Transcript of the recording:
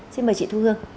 xin mời chị thu hương